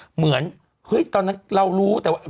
เหมือนเฮ้ยตอนนั้นเรารู้แต่ว่า